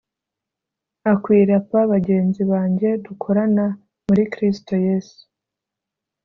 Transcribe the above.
akwila p bagenzi banjye dukorana muri kristo yesu